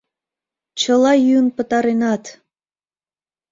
Чыла йӱын пытаренат!